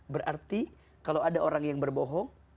berarti kalau ada orang yang berbohong